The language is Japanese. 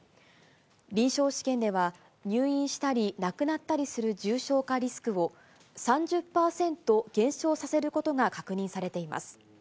臨床試験では、入院したり亡くなったりする重症化リスクを、３０％減少させることが確認されています。